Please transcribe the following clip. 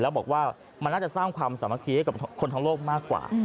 แล้วบอกว่ามันน่าจะสร้างความสามัคคีให้กับคนทั้งโลกมากกว่า